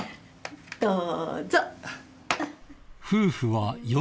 どうぞ。